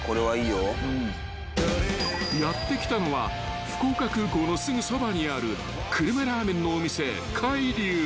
［やって来たのは福岡空港のすぐそばにある久留米ラーメンのお店］